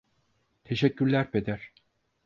Teşekkürler Peder.